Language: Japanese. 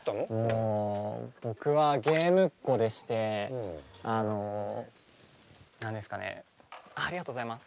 もう僕はゲームっ子でして何ですかねああありがとうございます。